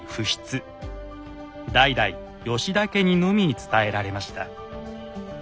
代々吉田家にのみ伝えられました。